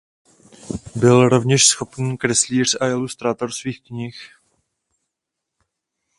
Byl rovněž schopný kreslíř a ilustrátor svých knih.